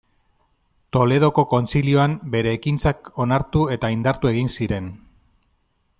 Toledoko Kontzilioan, bere ekintzak onartu eta indartu egin ziren.